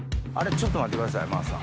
ちょっと待ってください真央さん。